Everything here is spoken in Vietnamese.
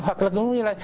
hoặc là cũng như là